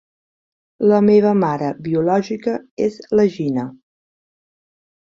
La meva mare biològica és la Gina.